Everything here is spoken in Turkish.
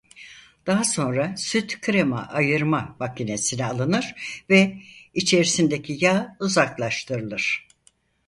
Daha sonra süt krema ayırma makinesine alınır ve içerisindeki yağ uzaklaştırılır.